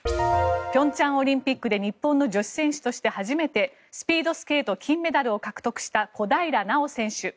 平昌オリンピックで日本の女子選手として初めてスピードスケート金メダルを獲得した小平奈緒選手。